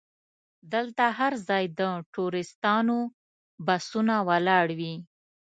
دلته هر ځای د ټوریستانو بسونه ولاړ وي.